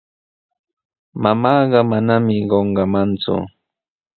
Mamaaqa manami qunqamanku.